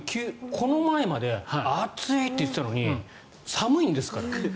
この前まで暑いって言ってたのに寒いんですから。